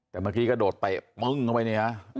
แต่เมื่อกี้ก็โดดเตะปึ้งออกไปนี่ฮะอืม